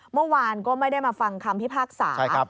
เมื่อวานก็ไม่ได้มาฟังคำพิพากษา